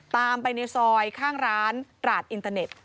ตามไปในซอยข้างร้านตราดอินเตอร์เน็ต